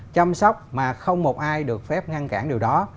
chăm sóc mà không một ai được phép ngăn cản điều đó